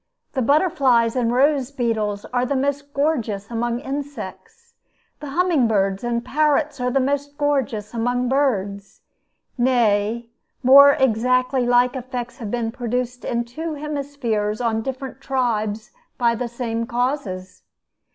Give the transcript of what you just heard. The butterflies and rose beetles are the most gorgeous among insects; the humming birds and parrots are the most gorgeous among birds. Nay, more, exactly like effects have been produced in two hemispheres on different tribes by the same causes.